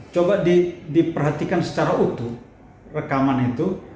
coba diperhatikan secara utuh rekaman itu